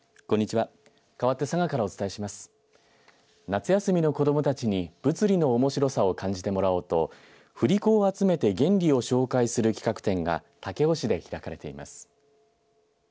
夏休みの子どもたちに物理のおもしろさを感じてもらおうと振り子を集めて原理を紹介する企画展が武雄市で開かれています。